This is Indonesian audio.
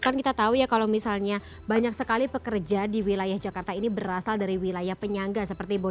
kan kita tahu ya kalau misalnya banyak sekali pekerja di wilayah jakarta ini berasal dari wilayah penyangga seperti bogor